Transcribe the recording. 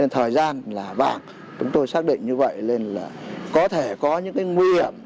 thời gian là vàng chúng tôi xác định như vậy nên là có thể có những nguy hiểm